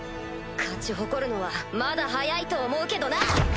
勝ち誇るのはまだ早いと思うけどな！